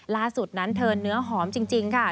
ล่าสุดนั้นเธอเนื้อหอมจริงค่ะ